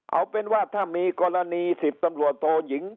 เอาเป็นว่าถ้ามีกรณี๑๐ตำรวจโทยิง